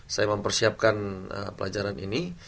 saya mempersiapkan pelajaran ini